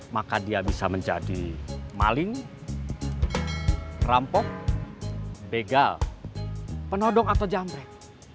maka dia bisa menjadi maling rampok begal penodong atau jamrek